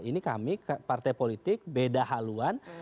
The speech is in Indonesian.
ini kami partai politik beda haluan